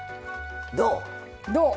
どう？